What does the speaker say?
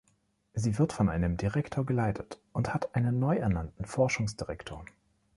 Sie wird von einem Direktor geleitet und hat einen neu ernannten Forschungsdirektor.